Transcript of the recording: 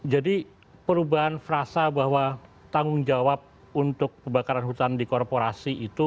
jadi perubahan frasa bahwa tanggung jawab untuk pembakaran hutan di korporasi itu